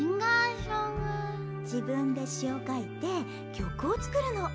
自分でしを書いて曲を作るの。